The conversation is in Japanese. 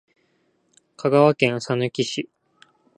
香川県さぬき市